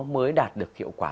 mới đạt được hiệu quả